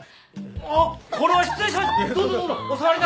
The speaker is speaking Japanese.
あっこれは失礼しました！